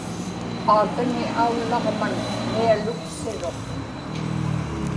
aakani aullaġman mialuksiruq